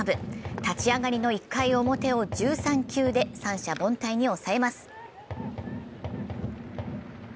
立ち上がりの１回表を１３球で三者凡退に抑えます。